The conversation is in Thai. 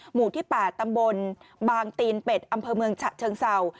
หมู่ที่๘ตำบลบางตีนเป็ดอำเภอเมืองฉะเชิงเศร้า